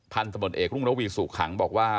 พันธ์สมดเอกรุงละวีสุขังบอกว่า